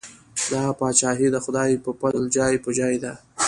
دا پاچاهي د خدای په پزل جای په جای ده.